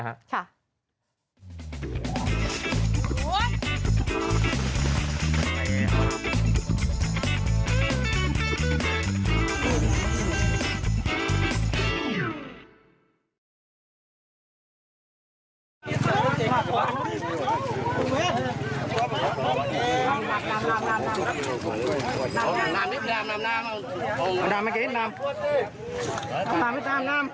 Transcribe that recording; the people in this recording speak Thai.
ถ้าคุณฟังมา